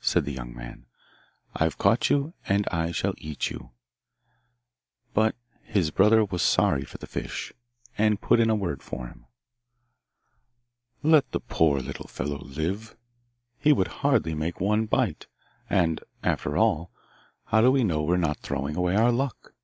said the young man; 'I've caught you, and I shall eat you.' But his brother was sorry for the fish, and put in a word for him. 'Let the poor little fellow live. He would hardly make one bite, and, after all, how do we know we are not throwing away our luck!